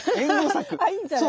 あいいんじゃない？